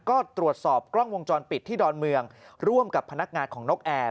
ก็ตรวจสอบกล้องวงจรปิดที่ดอนเมืองร่วมกับพนักงานของนกแอร์